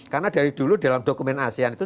karena dari dulu dalam dokumen asean itu